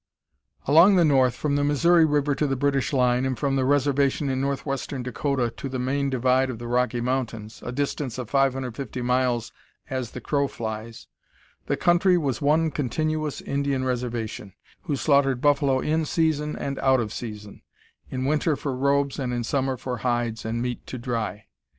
Along the north, from the Missouri River to the British line, and from the reservation in northwestern Dakota to the main divide of the Rocky Mountains, a distance of 550 miles as the crow flies, the country was one continuous Indian reservation, inhabited by eight tribes, who slaughtered buffalo in season and out of season, in winter for robes and in summer for hides and meat to dry.